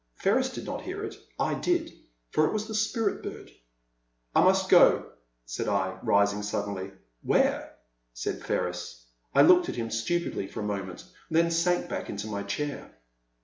Ferris did not hear it 1 did, for it was the Spirit bird. I must go,*' said I, rising suddenly. "Where?'' said Ferris. I looked at him stupidly for a moment, then sank back into my chair.